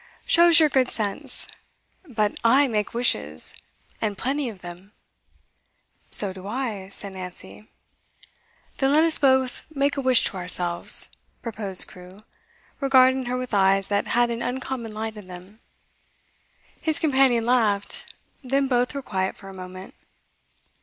'Shows your good sense. But I make wishes, and plenty of them.' 'So do I,' said Nancy. 'Then let us both make a wish to ourselves,' proposed Crewe, regarding her with eyes that had an uncommon light in them. His companion laughed, then both were quiet for a moment.